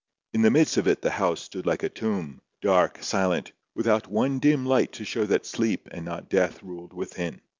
In the midst of it the house stood like a tomb, dark, silent, without one dim light to show that sleep and not death ruled within.